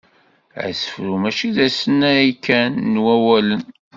Asefru mačči d asnay kan n wawalen.